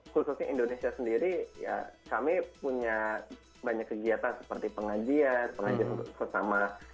khususnya indonesia sendiri ya kami punya banyak kegiatan seperti pengajian pengajian sesama